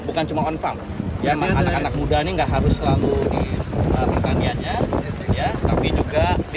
bukan cuma on farm ya anak anak muda ini enggak harus selalu di pertaniannya ya tapi juga di